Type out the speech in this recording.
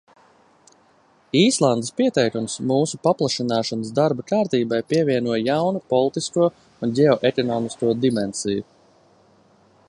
Īslandes pieteikums mūsu paplašināšanas darba kārtībai pievieno jaunu politisko un ģeoekonomisko dimensiju.